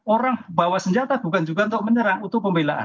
orang bawa senjata bukan juga untuk menyerang untuk pembelaan